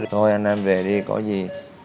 thôi anh em về đi có gì